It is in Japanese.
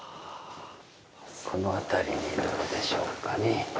この辺りにどうでしょうかね。